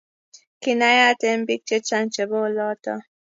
kinaayat eng biik chechang chebo oloto